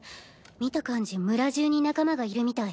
見た感じ村じゅうに仲間がいるみたい。